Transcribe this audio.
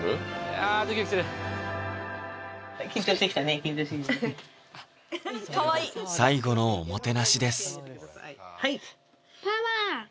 あドキドキする最後のおもてなしですはい！